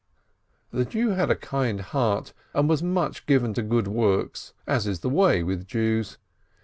The Jew had a kind heart, and was much given to good works, as is the way with Jews.